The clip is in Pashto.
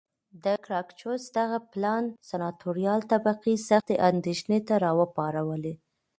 د ګراکچوس دغه پلان سناتوریال طبقې سختې اندېښنې را وپارولې